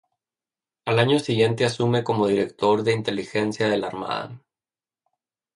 Al año siguiente asume como Director de Inteligencia de la Armada.